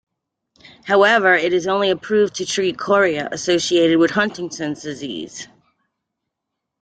However, it is only approved to treat chorea associated with Huntington's disease.